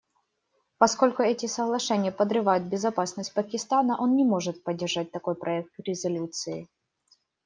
Поскольку эти соглашения подрывают безопасность Пакистана, он не может поддержать такой проект резолюции.